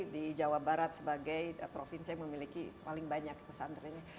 di jawa barat sebagai provinsi yang memiliki paling banyak pesantren ini